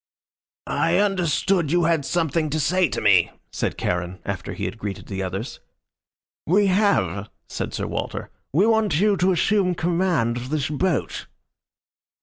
"I understood you had something to say to me," said Charon, after he had greeted the others. "We have," said Sir Walter. "We want you to assume command of this boat."